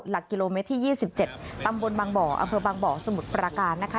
หลักกิโลเมตรที่ยี่สิบเจ็ดตำบลบางบ่ออเภอบางบ่อสมุทรปราการนะคะ